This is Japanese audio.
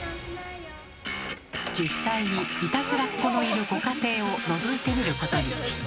実際にいたずらっ子のいるご家庭をのぞいてみることに。